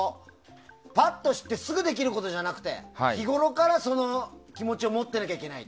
パッと知ってすぐできることじゃなくて日ごろからその気持ちを持ってなきゃいけない。